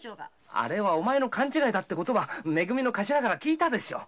あれはお前の勘違いだってめ組の頭から聞いたでしょ。